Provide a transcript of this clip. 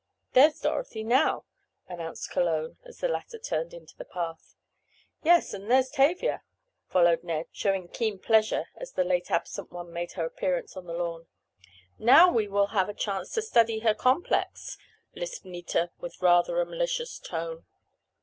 "There's Dorothy now," announced Cologne, as the latter turned into the path. "Yes, and there's Tavia," followed Ned, showing keen pleasure as the late absent one made her appearance on the lawn. "Now we will have a chance to study her complex—" lisped Nita with rather a malicious tone.